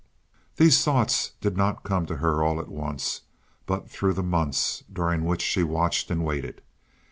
These thoughts did not come to her all at once, but through the months during which she watched and waited.